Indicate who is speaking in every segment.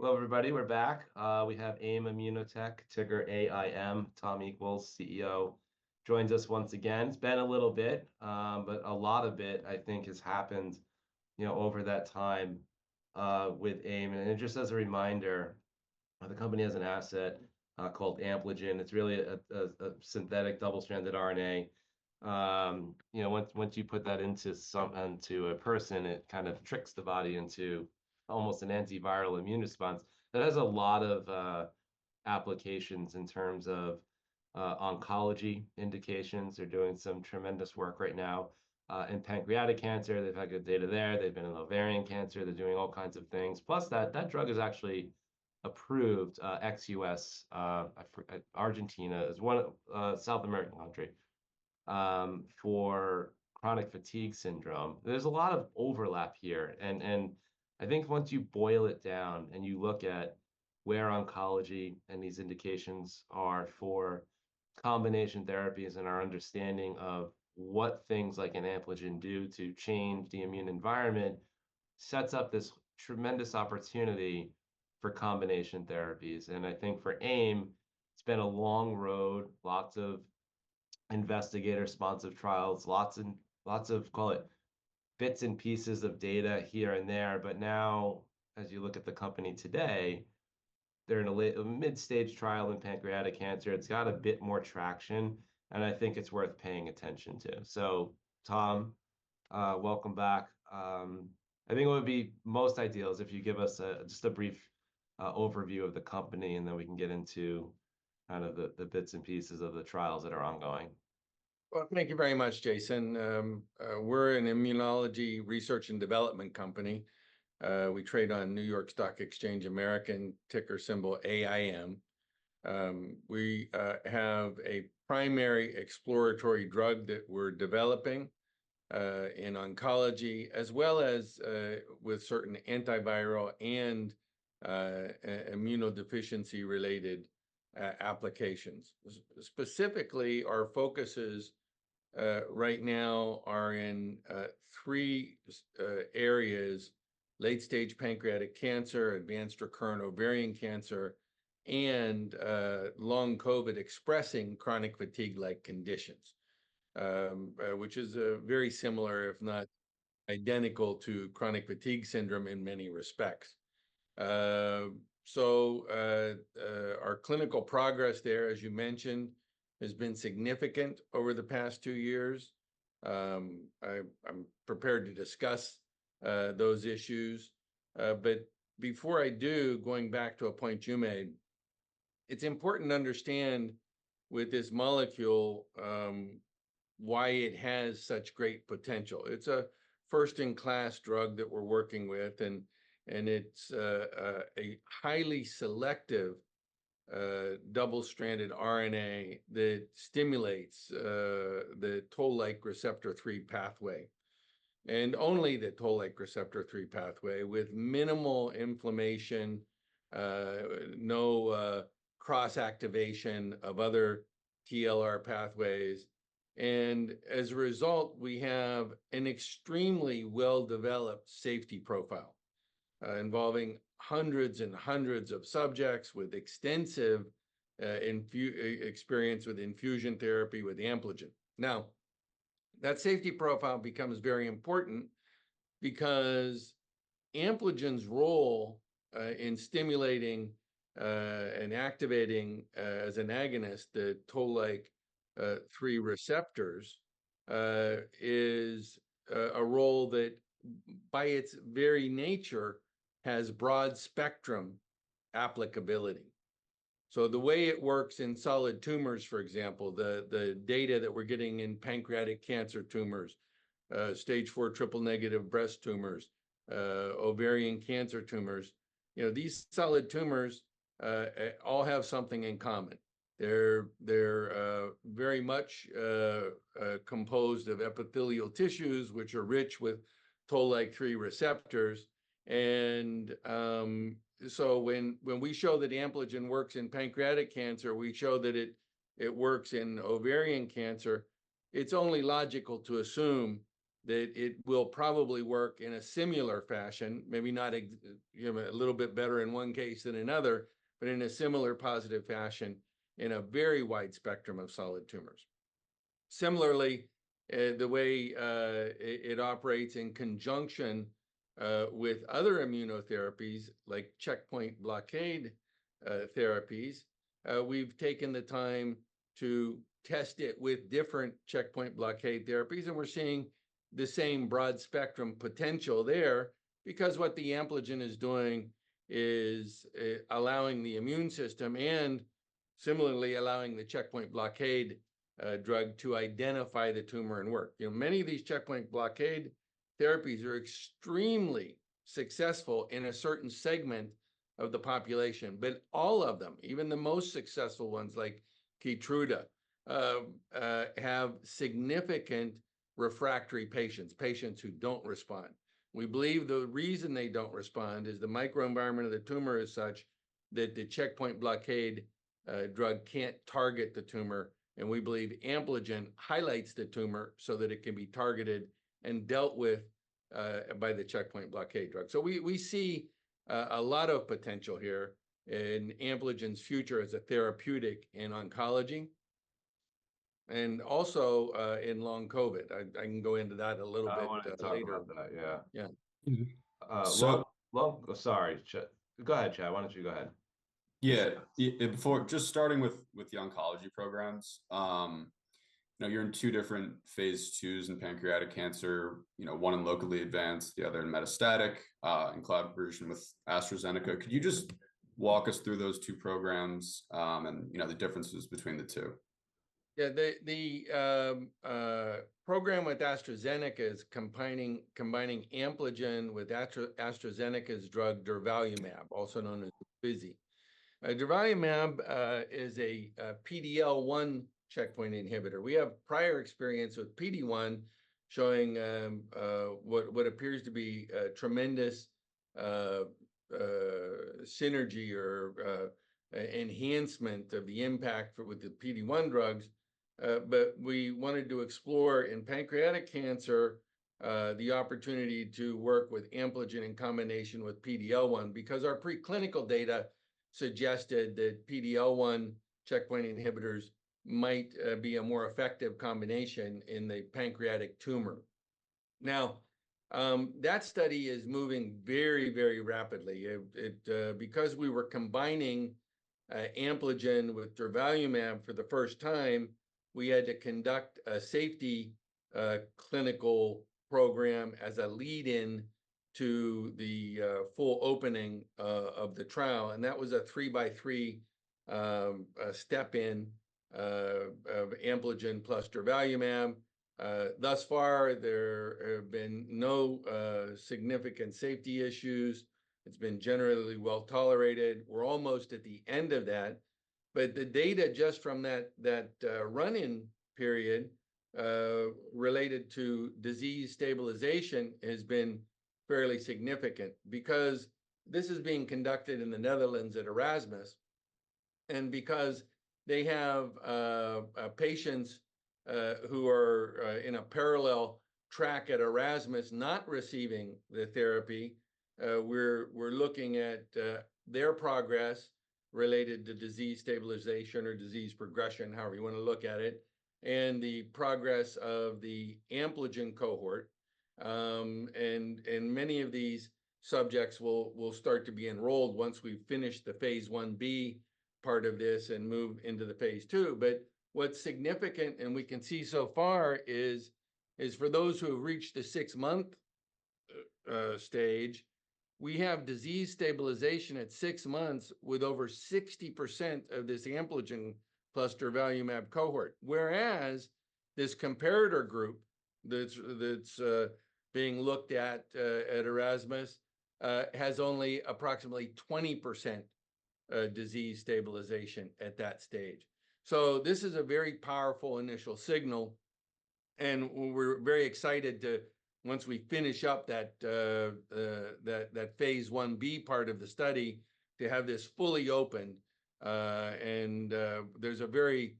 Speaker 1: Hello, everybody. We're back. We have AIM ImmunoTech, ticker AIM. Tom Equels, CEO, joins us once again. It's been a little bit, but a lot of it, I think, has happened, you know, over that time, with AIM. And just as a reminder, the company has an asset called Ampligen. It's really a synthetic double-stranded RNA. You know, once you put that into a person, it kind of tricks the body into almost an antiviral immune response. It has a lot of applications in terms of oncology indications. They're doing some tremendous work right now in pancreatic cancer. They've had good data there. They've been in ovarian cancer. They're doing all kinds of things, plus that drug is actually approved ex-US in Argentina. It's one, a South American country, for chronic fatigue syndrome. There's a lot of overlap here, and I think once you boil it down and you look at where oncology and these indications are for combination therapies and our understanding of what things like an Ampligen do to change the immune environment, sets up this tremendous opportunity for combination therapies. I think for AIM, it's been a long road, lots of investigator-sponsored trials, lots of, call it, bits and pieces of data here and there. But now, as you look at the company today, they're in a mid-stage trial in pancreatic cancer. It's got a bit more traction, and I think it's worth paying attention to. So Tom, welcome back. I think it would be most ideal if you give us just a brief overview of the company, and then we can get into kind of the bits and pieces of the trials that are ongoing.
Speaker 2: Thank you very much, Jason. We're an immunology research and development company. We trade on NYSE American, ticker symbol AIM. We have a primary exploratory drug that we're developing in oncology, as well as with certain antiviral and immunodeficiency-related applications. Specifically, our focuses right now are in three areas: late-stage pancreatic cancer, advanced recurrent ovarian cancer, and long COVID-expressing chronic fatigue-like conditions, which is very similar, if not identical, to chronic fatigue syndrome in many respects. Our clinical progress there, as you mentioned, has been significant over the past two years. I'm prepared to discuss those issues, but before I do, going back to a point you made, it's important to understand with this molecule why it has such great potential. It's a first-in-class drug that we're working with, and it's a highly selective double-stranded RNA that stimulates the Toll-like receptor 3 pathway, and only the Toll-like receptor 3 pathway, with minimal inflammation, no cross-activation of other TLR pathways. And as a result, we have an extremely well-developed safety profile involving hundreds and hundreds of subjects with extensive experience with infusion therapy with Ampligen. Now, that safety profile becomes very important because Ampligen's role in stimulating and activating, as an agonist, the Toll-like 3 receptors, is a role that, by its very nature, has broad-spectrum applicability. So the way it works in solid tumors, for example, the data that we're getting in pancreatic cancer tumors, stage 4 triple-negative breast tumors, ovarian cancer tumors. You know, these solid tumors all have something in common. They're very much composed of epithelial tissues, which are rich with Toll-like receptor 3, and so when we show that Ampligen works in pancreatic cancer, we show that it works in ovarian cancer, it's only logical to assume that it will probably work in a similar fashion, maybe not. You know, a little bit better in one case than another, but in a similar positive fashion in a very wide spectrum of solid tumors. Similarly, the way it operates in conjunction with other immunotherapies, like checkpoint blockade therapies, we've taken the time to test it with different checkpoint blockade therapies, and we're seeing the same broad-spectrum potential there. Because what the Ampligen is doing is allowing the immune system, and similarly allowing the checkpoint blockade drug, to identify the tumor and work. You know, many of these checkpoint blockade therapies are extremely successful in a certain segment of the population, but all of them, even the most successful ones, like Keytruda, have significant refractory patients, patients who don't respond. We believe the reason they don't respond is the microenvironment of the tumor is such-... that the checkpoint blockade drug can't target the tumor, and we believe Ampligen highlights the tumor so that it can be targeted and dealt with by the checkpoint blockade drug. So we see a lot of potential here in Ampligen's future as a therapeutic in oncology, and also in long COVID. I can go into that a little bit later.
Speaker 1: I wanted to talk about that, yeah.
Speaker 2: Yeah.
Speaker 1: Mm-hmm.
Speaker 2: So-
Speaker 1: Well, sorry, go ahead, Chad. Why don't you go ahead? Yeah. Yeah. Before, just starting with the oncology programs, now you're in two different phase IIs in pancreatic cancer. You know, one in locally advanced, the other in metastatic, in collaboration with AstraZeneca. Could you just walk us through those two programs, and, you know, the differences between the two?
Speaker 2: Yeah, the program with AstraZeneca is combining Ampligen with AstraZeneca's drug, durvalumab, also known as Imfinzi. durvalumab is a PD-L1 checkpoint inhibitor. We have prior experience with PD-1, showing what appears to be a tremendous synergy or enhancement of the impact with the PD-1 drugs. But we wanted to explore, in pancreatic cancer, the opportunity to work with Ampligen in combination with PD-L1, because our preclinical data suggested that PD-L1 checkpoint inhibitors might be a more effective combination in the pancreatic tumor. Now, that study is moving very rapidly. It... Because we were combining Ampligen with durvalumab for the first time, we had to conduct a safety clinical program as a lead-in to the full opening of the trial, and that was a three-by-three step-in of Ampligen plus durvalumab. Thus far, there have been no significant safety issues. It's been generally well-tolerated. We're almost at the end of that, but the data just from that run-in period related to disease stabilization has been fairly significant. Because this is being conducted in the Netherlands at Erasmus, and because they have patients who are in a parallel track at Erasmus not receiving the therapy, we're looking at their progress related to disease stabilization or disease progression, however you wanna look at it, and the progress of the Ampligen cohort. And many of these subjects will start to be enrolled once we've finished the phase Ib part of this and moved into the phase II. But what's significant, and we can see so far, is for those who have reached the six-month stage, we have disease stabilization at six months with over 60% of this Ampligen plus durvalumab cohort. Whereas this comparator group, that's being looked at at Erasmus, has only approximately 20% disease stabilization at that stage. So this is a very powerful initial signal, and we're very excited to, once we finish up that phase Ib part of the study, to have this fully open. And there's a very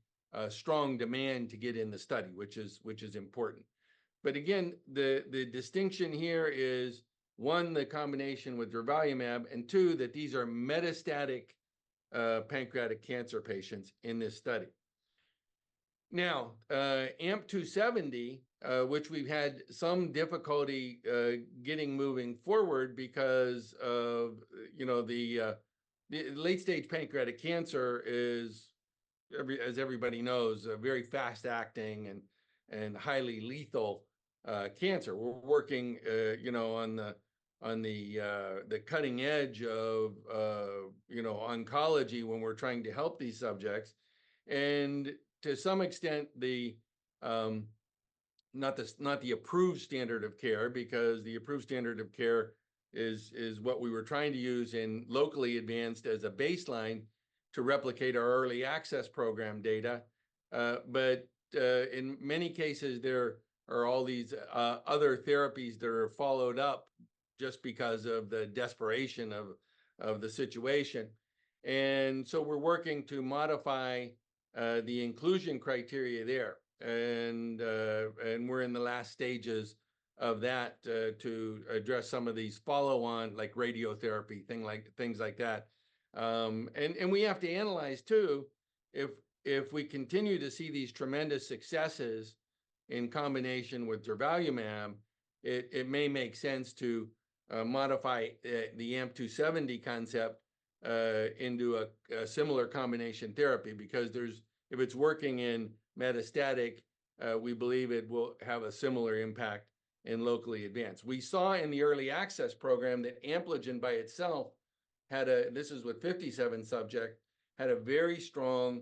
Speaker 2: strong demand to get in the study, which is important. But again, the distinction here is, one, the combination with durvalumab, and two, that these are metastatic pancreatic cancer patients in this study. Now, AMP-270, which we've had some difficulty getting moving forward because, you know, the late stage pancreatic cancer is, as everybody knows, a very fast-acting and highly lethal cancer. We're working, you know, on the cutting edge of oncology when we're trying to help these subjects. And to some extent, not the approved standard of care, because the approved standard of care is what we were trying to use in locally advanced as a baseline to replicate our early access program data. But in many cases, there are all these other therapies that are followed up just because of the desperation of the situation. And so we're working to modify the inclusion criteria there, and we're in the last stages of that to address some of these follow-on, like radiotherapy, things like that. And we have to analyze too, if we continue to see these tremendous successes in combination with durvalumab, it may make sense to modify the AMP-270 concept into a similar combination therapy. Because there is if it's working in metastatic, we believe it will have a similar impact in locally advanced. We saw in the early access program that Ampligen by itself had a, this is with 57 subject, had a very strong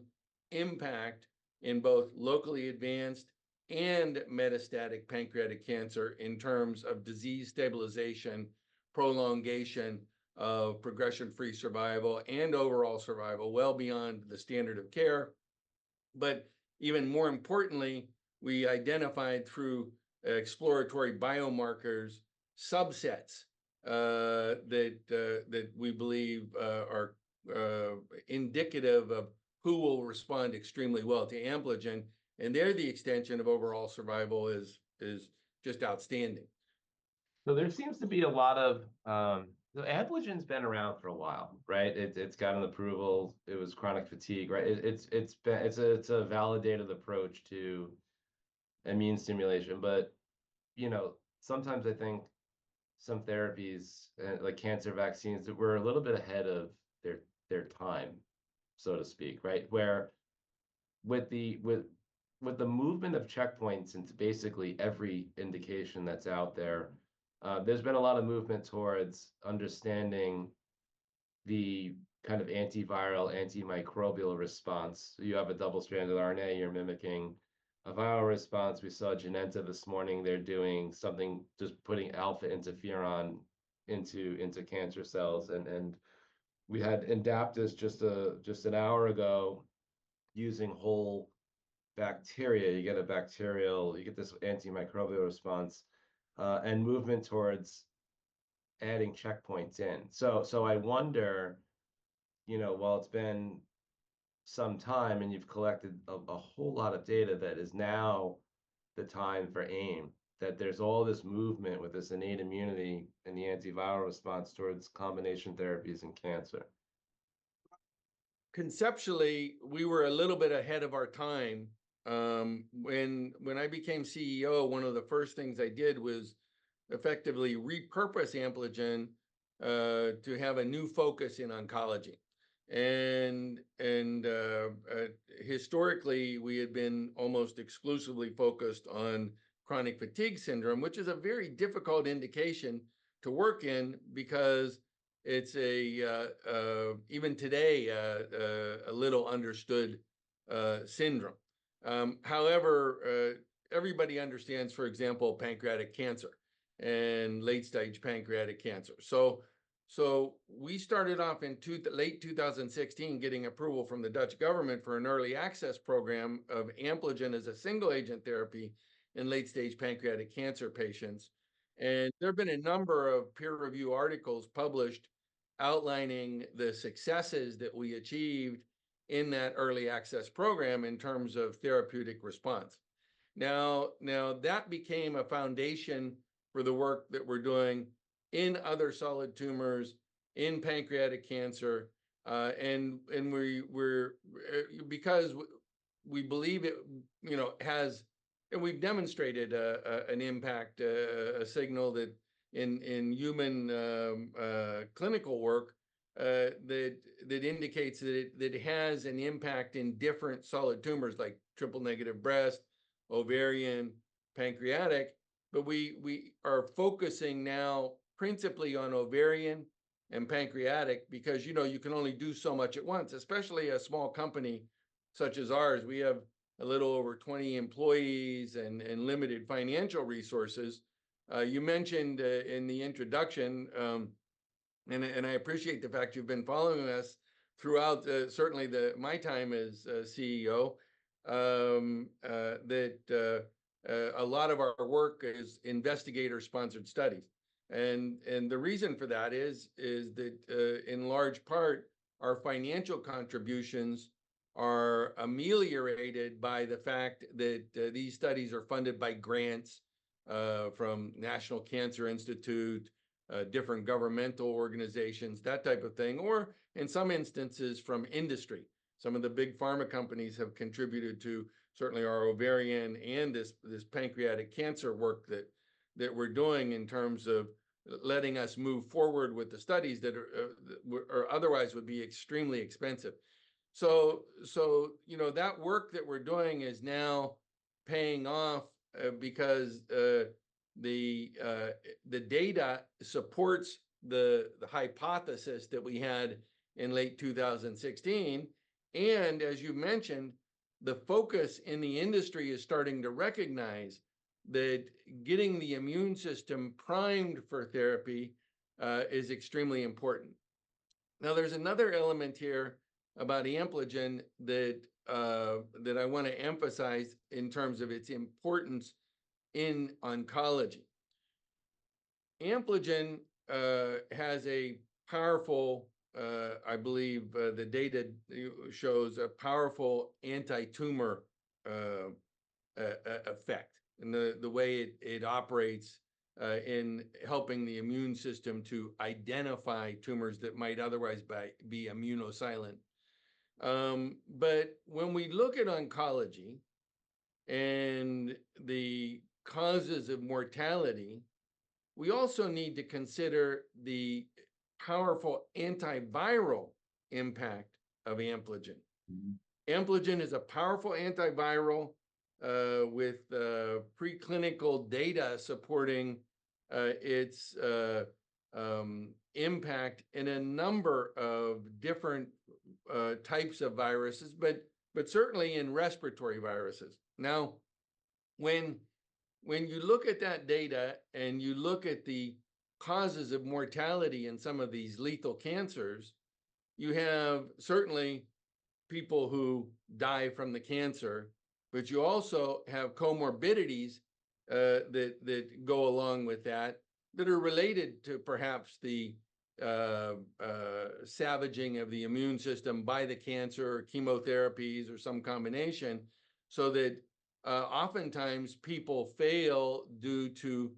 Speaker 2: impact in both locally advanced and metastatic pancreatic cancer in terms of disease stabilization, prolongation of progression-free survival, and overall survival, well beyond the standard of care. But even more importantly, we identified through exploratory biomarkers subsets that we believe are indicative of who will respond extremely well to Ampligen, and there the extension of overall survival is just outstanding.
Speaker 1: So there seems to be a lot of Ampligen's been around for a while, right? It, it's got an approval. It was chronic fatigue, right? It's, it's been, it's a, it's a validated approach to immune stimulation. But, you know, sometimes I think some therapies like cancer vaccines, that were a little bit ahead of their, their time, so to speak, right? Where with the, with, with the movement of checkpoints into basically every indication that's out there, there's been a lot of movement towards understanding the kind of antiviral, antimicrobial response. You have a double-stranded RNA, you're mimicking a viral response. We saw Genenta this morning, they're doing something, just putting alpha interferon into, into cancer cells. And, and we had Indaptus just a, just an hour ago, using whole bacteria. You get this antimicrobial response, and movement towards adding checkpoints in. So, I wonder, you know, while it's been some time and you've collected a whole lot of data, that is now the time for AIM, that there's all this movement with this innate immunity and the antiviral response towards combination therapies in cancer.
Speaker 2: Conceptually, we were a little bit ahead of our time. When I became CEO, one of the first things I did was effectively repurpose Ampligen to have a new focus in oncology. And historically, we had been almost exclusively focused on chronic fatigue syndrome, which is even today a little understood syndrome. However, everybody understands, for example, pancreatic cancer and late-stage pancreatic cancer. So we started off in late two thousand and sixteen, getting approval from the Dutch government for an early access program of Ampligen as a single-agent therapy in late-stage pancreatic cancer patients. And there have been a number of peer-reviewed articles published outlining the successes that we achieved in that early access program in terms of therapeutic response. Now, that became a foundation for the work that we're doing in other solid tumors, in pancreatic cancer. Because we believe it, you know, has, and we've demonstrated an impact, a signal that in human clinical work, that indicates that it has an impact in different solid tumors like triple-negative breast, ovarian, pancreatic. But we are focusing now principally on ovarian and pancreatic because, you know, you can only do so much at once, especially a small company such as ours. We have a little over twenty employees and limited financial resources. You mentioned in the introduction, and I appreciate the fact you've been following us throughout, certainly during my time as CEO, that a lot of our work is investigator-sponsored studies. The reason for that is that in large part, our financial contributions are ameliorated by the fact that these studies are funded by grants from National Cancer Institute, different governmental organizations, that type of thing, or in some instances, from industry. Some of the big pharma companies have contributed, certainly to our ovarian and this pancreatic cancer work that we're doing in terms of letting us move forward with the studies that, or otherwise, would be extremely expensive. You know, that work that we're doing is now paying off because the data supports the hypothesis that we had in late two thousand and sixteen, and as you mentioned, the focus in the industry is starting to recognize that getting the immune system primed for therapy is extremely important. Now, there's another element here about Ampligen that I want to emphasize in terms of its importance in oncology. Ampligen has a powerful, I believe, the data shows a powerful anti-tumor effect in the way it operates in helping the immune system to identify tumors that might otherwise be immunosuppressed, but when we look at oncology and the causes of mortality, we also need to consider the powerful antiviral impact of Ampligen. Ampligen is a powerful antiviral with preclinical data supporting its impact in a number of different types of viruses, but certainly in respiratory viruses. When you look at that data, and you look at the causes of mortality in some of these lethal cancers, you have certainly people who die from the cancer, but you also have comorbidities that go along with that that are related to perhaps the savaging of the immune system by the cancer or chemotherapies or some combination. So that oftentimes people fail due to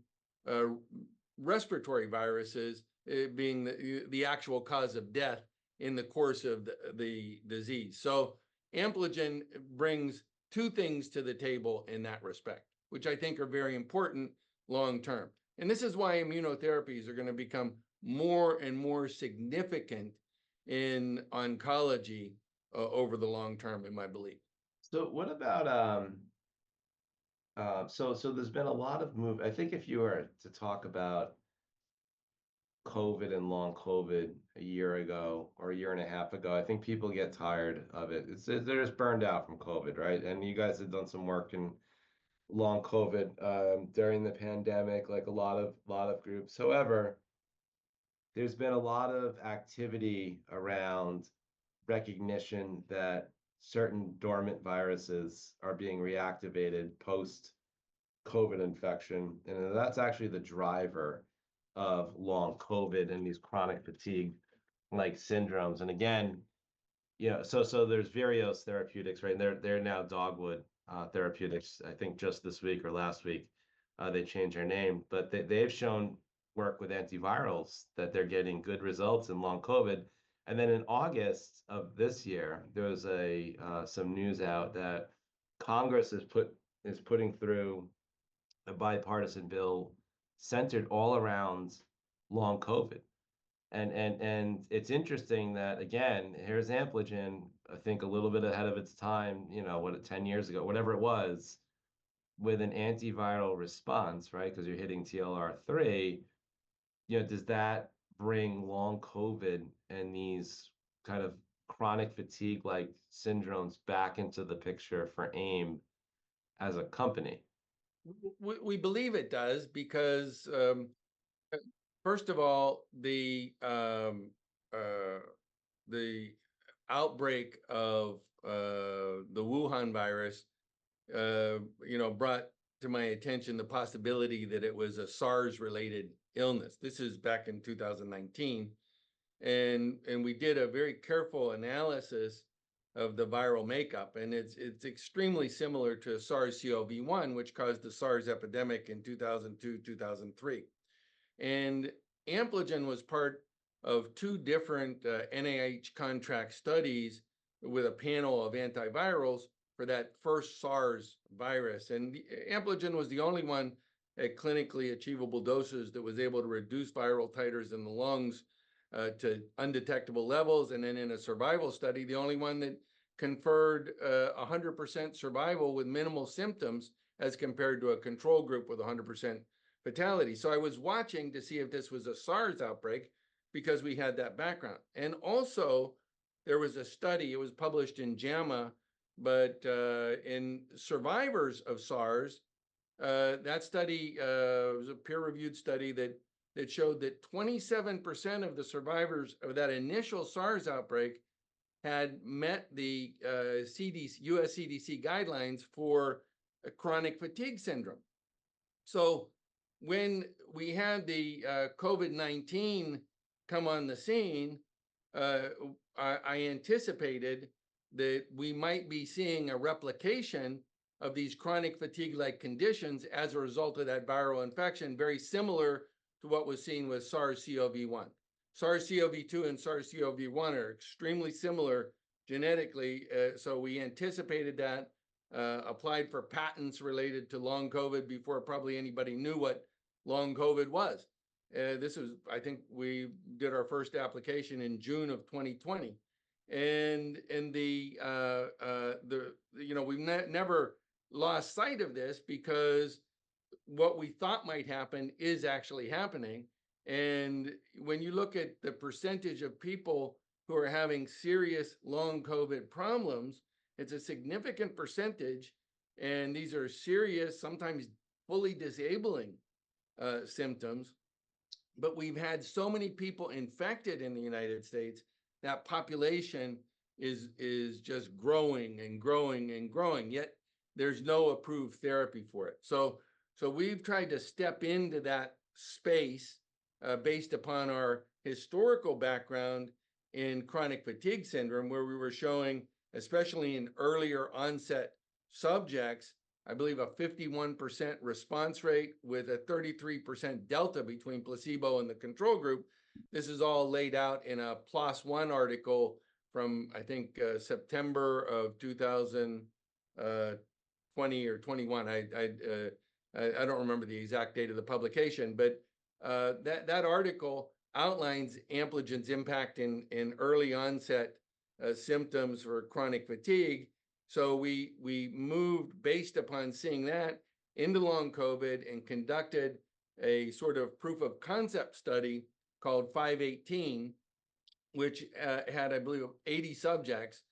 Speaker 2: respiratory viruses being the actual cause of death in the course of the disease. So Ampligen brings two things to the table in that respect, which I think are very important long-term. This is why immunotherapies are gonna become more and more significant in oncology over the long term, in my belief.
Speaker 1: So what about. I think if you were to talk about COVID and long COVID a year ago or a year and a half ago, I think people get tired of it. They're just burned out from COVID, right? And you guys have done some work in long COVID during the pandemic, like a lot of groups. However, there's been a lot of activity around recognition that certain dormant viruses are being reactivated post-COVID infection, and that's actually the driver of long COVID and these chronic fatigue-like syndromes. And again, you know, there's Virios Therapeutics, right? And they're now Dogwood Therapeutics. I think just this week or last week they changed their name. But they, they've shown work with antivirals, that they're getting good results in long COVID. And then in August of this year, there was a some news out that Congress is putting through a bipartisan bill centered all around Long COVID. And it's interesting that, again, here's Ampligen, I think, a little bit ahead of its time, you know, what, 10 years ago, whatever it was, with an antiviral response, right? 'Cause you're hitting TLR3. You know, does that bring Long COVID and these kind of chronic fatigue-like syndromes back into the picture for AIM as a company?
Speaker 2: We believe it does because, first of all, the outbreak of the Wuhan virus, you know, brought to my attention the possibility that it was a SARS-related illness. This is back in 2019, and we did a very careful analysis of the viral makeup, and it's extremely similar to SARS-CoV-1, which caused the SARS epidemic in 2002, 2003. And Ampligen was part of two different NIH contract studies with a panel of antivirals for that first SARS virus, and Ampligen was the only one at clinically achievable doses that was able to reduce viral titers in the lungs to undetectable levels, and then in a survival study, the only one that conferred 100% survival with minimal symptoms as compared to a control group with 100% fatality. I was watching to see if this was a SARS outbreak because we had that background. And also, there was a study. It was published in JAMA, but in survivors of SARS, that study was a peer-reviewed study that showed that 27% of the survivors of that initial SARS outbreak had met the CDC, US CDC guidelines for chronic fatigue syndrome. When we had the COVID-19 come on the scene, I anticipated that we might be seeing a replication of these chronic fatigue-like conditions as a result of that viral infection, very similar to what was seen with SARS-CoV-1. SARS-CoV-2 and SARS-CoV-1 are extremely similar genetically, so we anticipated that, applied for patents related to long COVID before probably anybody knew what long COVID was. This was... I think we did our first application in June of 2020, and the, you know, we never lost sight of this because what we thought might happen is actually happening, and when you look at the percentage of people who are having serious Long COVID problems, it's a significant percentage, and these are serious, sometimes fully disabling symptoms, but we've had so many people infected in the United States, that population is just growing and growing and growing, yet there's no approved therapy for it, so we've tried to step into that space, based upon our historical background in chronic fatigue syndrome, where we were showing, especially in earlier onset subjects, I believe a 51% response rate with a 33% delta between placebo and the control group. This is all laid out in a PLOS ONE article from, I think, September of 2020 or 2021. I don't remember the exact date of the publication, but that article outlines Ampligen's impact in early onset symptoms for chronic fatigue. So we moved, based upon seeing that, into Long COVID and conducted a sort of proof-of-concept study called 518, which had, I believe, 80 subjects,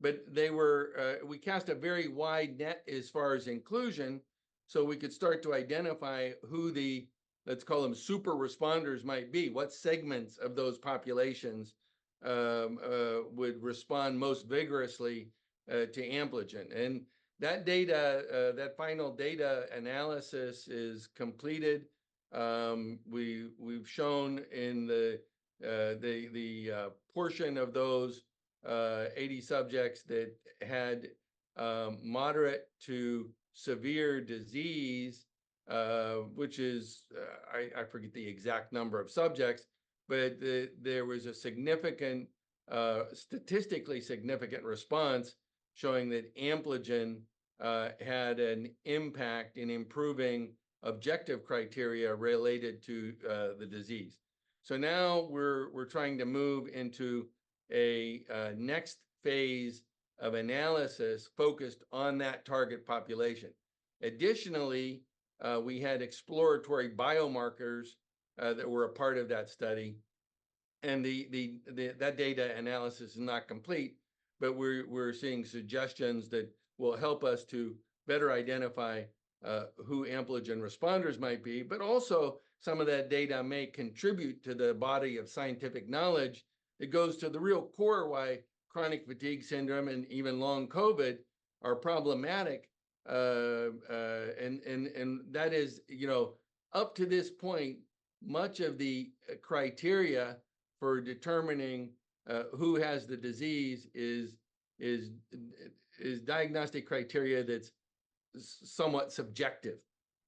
Speaker 2: but they were. We cast a very wide net as far as inclusion, so we could start to identify who the, let's call them super responders, might be. What segments of those populations would respond most vigorously to Ampligen? And that data, that final data analysis is completed. We've shown in the portion of those 80 subjects that had moderate to severe disease, which is, I forget the exact number of subjects, but there was a significant statistically significant response showing that Ampligen had an impact in improving objective criteria related to the disease. So now we're trying to move into a next phase of analysis focused on that target population. Additionally, we had exploratory biomarkers that were a part of that study, and that data analysis is not complete, but we're seeing suggestions that will help us to better identify who Ampligen responders might be. But also, some of that data may contribute to the body of scientific knowledge that goes to the real core why chronic fatigue syndrome and even Long COVID are problematic. And that is, you know, up to this point, much of the criteria for determining who has the disease is diagnostic criteria that's somewhat subjective.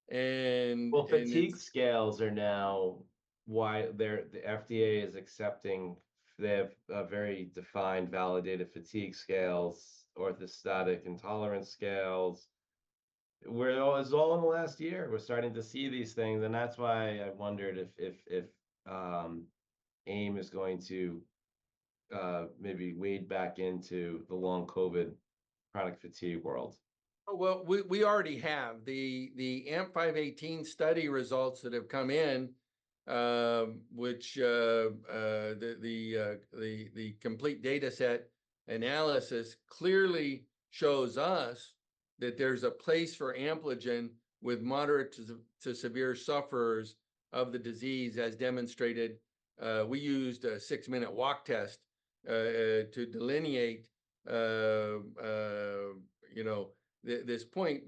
Speaker 2: And,
Speaker 1: Fatigue scales are now why they're... The FDA is accepting. They have very defined, validated fatigue scales, orthostatic intolerance scales, where it was all in the last year, we're starting to see these things, and that's why I wondered if AIM is going to maybe wade back into the Long COVID chronic fatigue world.
Speaker 2: We already have the AMP-518 study results that have come in, which the complete dataset analysis clearly shows us that there's a place for Ampligen with moderate to severe sufferers of the disease, as demonstrated. We used a six-minute walk test to delineate you know this point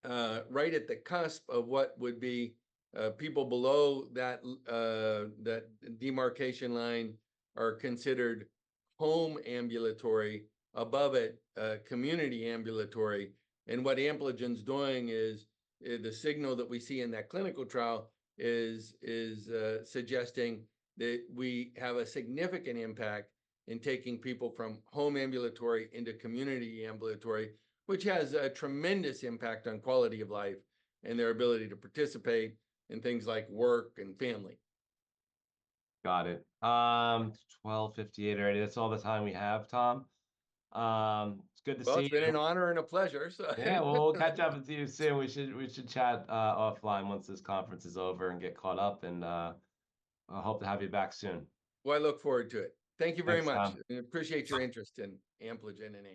Speaker 2: because we see. The big difference we're seeing is right at the cusp of what would be people below that demarcation line are considered home ambulatory. Above it, community ambulatory. And what Ampligen's doing is, the signal that we see in that clinical trial is suggesting that we have a significant impact in taking people from home ambulatory into community ambulatory, which has a tremendous impact on quality of life and their ability to participate in things like work and family.
Speaker 1: Got it. 12:58 already. That's all the time we have, Tom. It's good to see you.
Speaker 2: It's been an honor and a pleasure, so
Speaker 1: Yeah, well, we'll catch up with you soon. We should chat offline once this conference is over and get caught up, and I hope to have you back soon.
Speaker 2: I look forward to it.
Speaker 1: Thanks, Tom.
Speaker 2: Thank you very much. I appreciate your interest in Ampligen and AIM.